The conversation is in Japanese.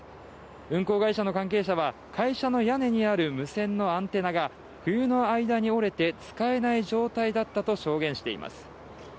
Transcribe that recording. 運航会社の関係者は会社の屋根にある無線のアンテナが冬の間に折れて使えない状態だったと証言しています。